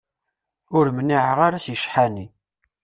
Ur mniɛeɣ ara si ccḥani.